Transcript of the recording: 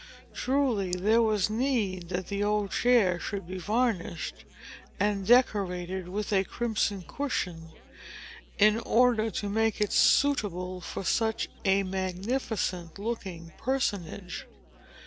Truly, there was need that the old chair should be varnished, and decorated with a crimson cushion, in order to make it suitable for such a magnificent looking personage.